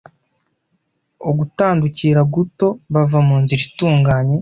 ugutandukira guto bava mu nzira itunganye.